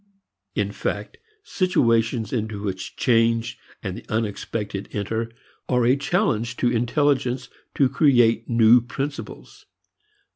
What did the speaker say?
In fact, situations into which change and the unexpected enter are a challenge to intelligence to create new principles.